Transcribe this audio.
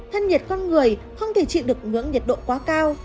thân nhiệt con người không thể chịu được ngưỡng nhiệt độ quá cao